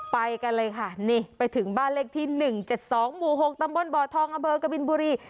ไปกันเลยค่ะนี่ไปถึงบ้านเลขที่๑๗๒หมู่๖ตำบลบ่อทองอำเภอกบินบุรี